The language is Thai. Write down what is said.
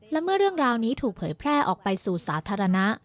และเมื่อเรื่องราวนี้ถูกเผยแพร่ออกไปสู่สาธารณะ